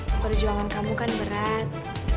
perjuangan kamu kan berat